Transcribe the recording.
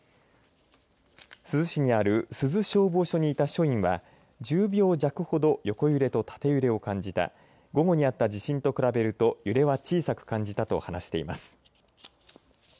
珠洲市にある珠洲消防署にいた署員は１０秒弱ほど横揺れと縦揺れを感じた午後にあった地震と比べると揺れは小さく感じたと話しています。